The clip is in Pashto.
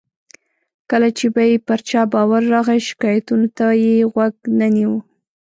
کله چې به یې پر چا باور راغی، شکایتونو ته یې غوږ نه نیو.